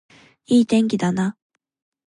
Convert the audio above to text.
いい天気だな